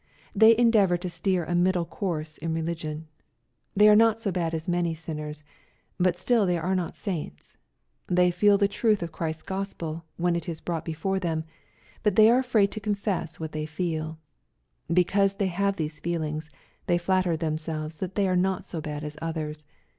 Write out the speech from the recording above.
They endeavor to steer a middle course in religion. They are not so bad as many sinners, but still they are not saints. They feel the truth of Christ's Gospel, when it is brought before them, but are afraid to confess what they feeL Because they have these feelings, they flatter themselves they are not so bad as others.